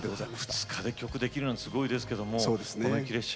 ２日で曲できるのはすごいですけどもこの「雪列車」